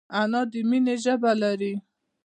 انا د مینې ژبه لري